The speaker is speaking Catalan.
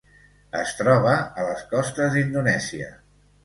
Es troba a les costes d'Indonèsia.